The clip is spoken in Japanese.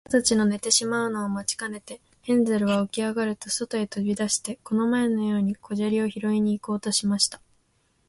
おとなたちの寝てしまうのを待ちかねて、ヘンゼルはおきあがると、そとへとび出して、この前のように小砂利をひろいに行こうとしました。